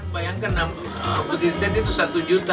bayangkan food estate itu satu juta